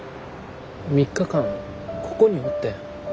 ３日間ここにおってん。